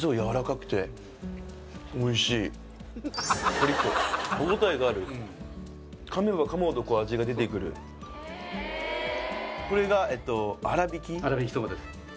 コリッと歯ごたえがある噛めば噛むほどこう味が出てくる粗びきそばです